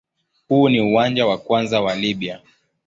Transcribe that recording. Huu ni uwanja wa kwanza wa Libya.